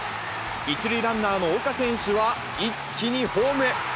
一塁ランナーの岡選手は一気にホームへ。